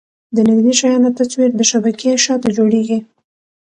د نږدې شیانو تصویر د شبکیې شاته جوړېږي.